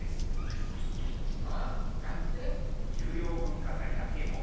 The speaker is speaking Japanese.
ん？なんて？